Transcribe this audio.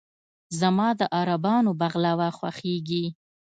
زما د عربانو "بغلاوه" خوښېږي.